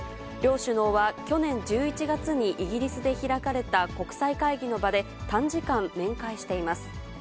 両首脳は去年１１月にイギリスで開かれた国際会議の場で、短時間、面会しています。